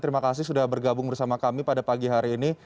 terima kasih sudah bergabung bersama kami pada pagi hari ini